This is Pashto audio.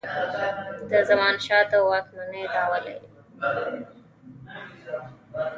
د زمانشاه د واکمنی دعوه لري.